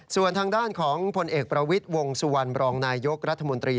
ส่วนทางด้านของผลเอกประวิทย์วงสุวรรณบรองนายยกรัฐมนตรี